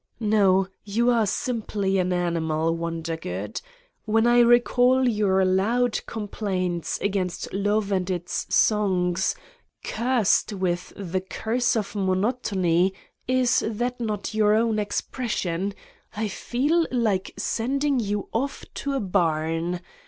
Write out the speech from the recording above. ... No, you are simply an animal, Wondergoodl. When I recall your loud complaints against love and its songs, cursed with the curse of monotony is that not your own expression? I feel like sending you off to a barn.